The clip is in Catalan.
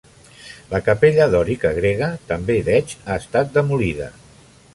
La capella dòrica grega, també d"Edge, ha estat demolida.